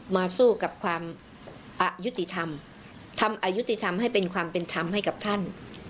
มาสู้กับความอายุติธรรมทำอายุติธรรมให้เป็นความเป็นธรรมให้กับท่าน